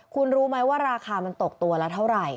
คุณรู้ไหมว่าราคามันตกตัวละเท่าไหร่